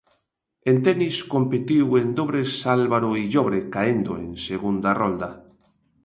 En tenis competiu en dobres Álvaro Illobre caendo en segunda rolda.